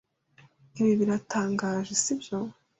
Ibi biratangaje, sibyo?